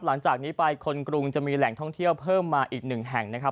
หลังจากนี้ไปคนกรุงจะมีแหล่งท่องเที่ยวเพิ่มมาอีกหนึ่งแห่งนะครับ